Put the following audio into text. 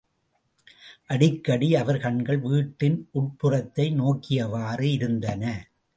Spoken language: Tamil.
அடிக்கடி அவர் கண்கள் வீட்டின் உட்புறத்தை நோக்கியவாறு இருந்தன.